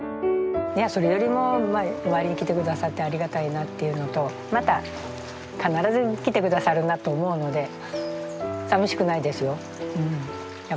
いやそれよりもお参りに来てくださってありがたいなというのとまた必ず来てくださるなと思うので寂しくないですようん。